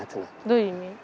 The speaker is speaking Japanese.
どういう意味？